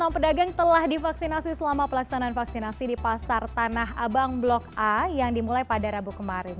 enam pedagang telah divaksinasi selama pelaksanaan vaksinasi di pasar tanah abang blok a yang dimulai pada rabu kemarin